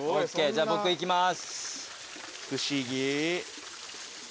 じゃあ僕いきます。